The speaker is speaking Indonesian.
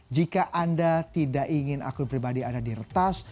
jika anda tidak ingin akun pribadi anda diretas